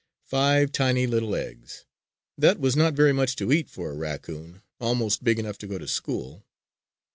Five tiny little eggs! That was not very much to eat for a raccoon almost big enough to go to school.